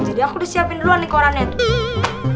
jadi aku udah siapin duluan nih korannya tuh